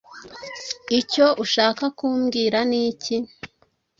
Icyo ushaka kumbwira ni iki?”